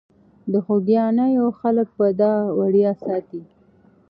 د خوګیاڼیو خلک به دا ویاړ ساتي.